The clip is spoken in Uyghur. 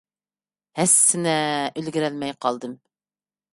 ھەسسىنە، ئۈلگۈرەلمەي قالدىم.